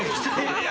いや。